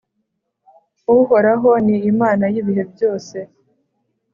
Uhoraho ni Imana y’ibihe byose,